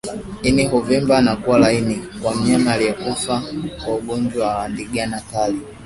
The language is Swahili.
Ini huvimba na kuwa laini kwa mnyama aliyekufa kwa ugonjwa wa ndigana kali